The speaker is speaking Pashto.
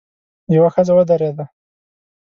يوه ښځه ودرېده.